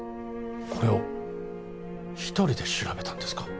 これを１人で調べたんですか？